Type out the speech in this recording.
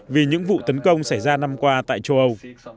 vì những vụ tấn công xảy ra năm qua tại châu âu